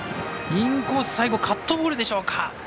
インコース最後、カットボールでしょうか。